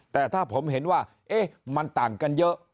แต่ถ้าผมเห็นว่ามันต่างกันเยอะ